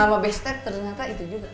nama bestag ternyata itu juga